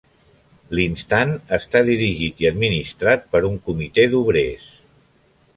L’Instant està dirigit i administrat per un Comitè d’obrers.